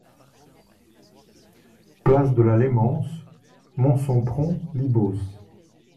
Place de la Lémance, Monsempron-Libos